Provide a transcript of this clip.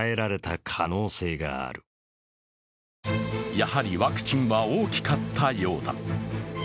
やはりワクチンは大きかったようだ。